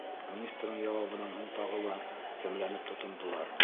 Министрҙың яуабынан һуң тағы ла сәмләнеп тотондолар.